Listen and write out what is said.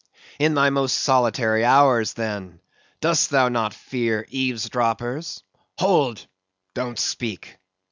In thy most solitary hours, then, dost thou not fear eavesdroppers? Hold, don't speak!